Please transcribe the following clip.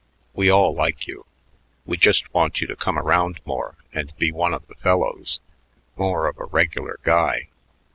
We all like you. We just want you to come around more and be one of the fellows, more of a regular guy.